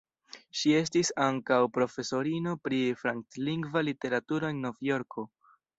Ŝi estis ankaŭ profesorino pri franclingva literaturo en Novjorko.